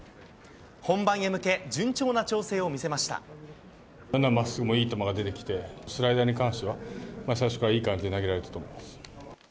本番へ向け、順調な調整を見せままっすぐもいい球が出てきて、スライダーに関しては、最初からいい感じで投げられたと思います。